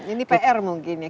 ini pr mungkin ya